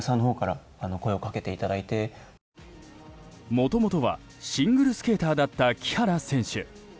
もともとはシングルスケーターだった木原選手。